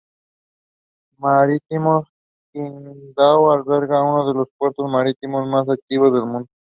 Marítimos: Qingdao alberga uno de los puertos marítimos más activos del mundo.